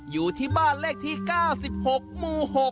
อยู่ที่บ้านเลขที่๙๖หมู่๖